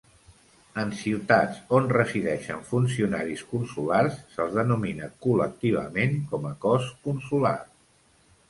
En ciutats on resideixen funcionaris consulars, se'ls denomina col·lectivament com a cos consular.